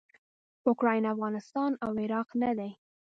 اوکراین افغانستان او عراق نه دي.